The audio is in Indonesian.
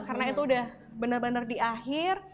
karena itu udah benar benar di akhir